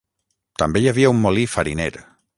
També hi havia un molí fariner.